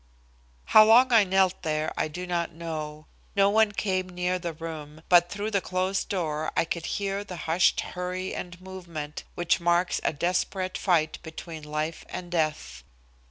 How long I knelt there I do not know. No one came near the room, but through the closed door I could hear the hushed hurry and movement which marks a desperate fight between life and death.